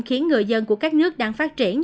khiến người dân của các nước đang phát triển